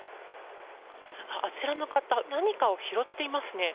あちらの方何かを拾っていますね。